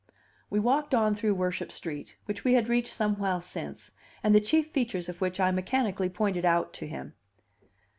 We walked on through Worship Street, which we had reached some while since, and the chief features of which I mechanically pointed out to him.